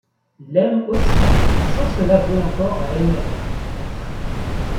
L’aime aussi, mais sans se l’avouer encore à elle-même, peut-être…